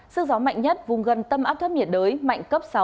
sức gió mạnh nhất vùng gần tâm áp thấp nhiệt đới mạnh cấp sáu